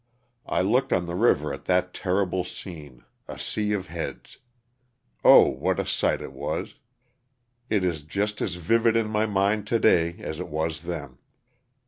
I looked on the river at that terrible scene — a sea of heads. Oh, what a sight it was! It is just as vivid in my mind today as it was then.